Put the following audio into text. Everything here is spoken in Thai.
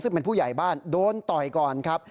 ซึ่งเป็นผู้ใหญ่บ้านโดนต่อยก่อนครับ